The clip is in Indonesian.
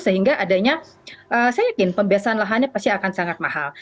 sehingga adanya saya yakin pembebasan lahannya pasti akan sangat mahal